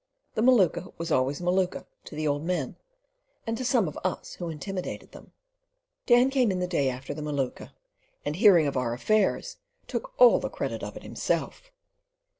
The Maluka was always "Maluka" to the old men, and to some of us who imitated them. Dan came in the day after the Maluka, and, hearing of our "affairs," took all the credit of it to himself.